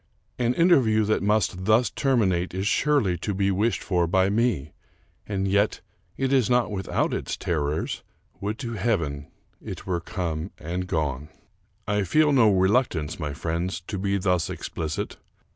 An inter view that must thus terminate is surely to be wished for by me ; and yet it is not without its terrors. Would to heaven it were come and gone! I feel no reluctance, my friends, to be thus explicit.